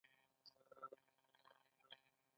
هغوی د سړک پر غاړه د محبوب محبت ننداره وکړه.